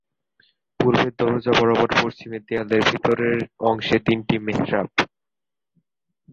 পূর্বের দরজা বরাবর পশ্চিমের দেয়ালের ভেতরের অংশে তিনটি মেহরাব।